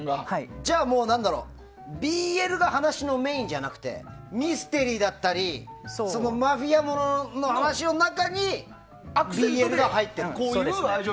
じゃあ、ＢＬが話のメインじゃなくてミステリーだったりマフィアものの話の中にＢＬが入っているんだ。